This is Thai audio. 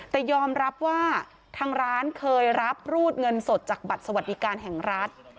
แต่ยอมรับว่าทางร้านเคยรับรูดเงินสดจากบัตรสวัสดิการแห่งรัฐ